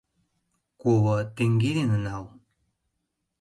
— Коло теҥге дене нал...